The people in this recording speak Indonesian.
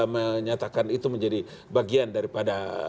menyatakan itu menjadi bagian daripada